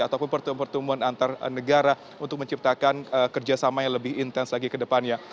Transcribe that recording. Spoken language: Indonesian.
ataupun pertumbuhan antar negara untuk menciptakan kerjasama yang lebih intens lagi ke depannya